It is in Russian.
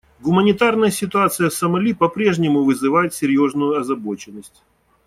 Гуманитарная ситуация в Сомали по-прежнему вызывает серьезную озабоченность.